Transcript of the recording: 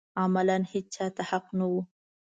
عملاً هېچا ته حق نه و